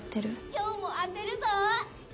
「今日も当てるぞ！」。